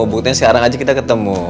buktinya sekarang aja kita ketemu